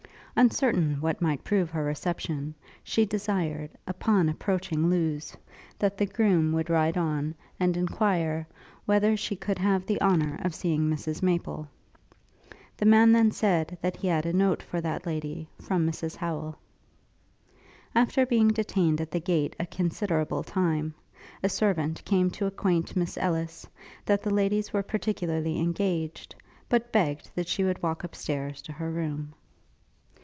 Uncertain what might prove her reception, she desired, upon approaching Lewes, that the groom would ride on, and enquire whether she could have the honour of seeing Mrs Maple. The man then said, that he had a note for that lady, from Mrs Howel. After being detained at the gate a considerable time, a servant came to acquaint Miss Ellis, that the ladies were particularly engaged, but begged that she would walk up stairs to her room.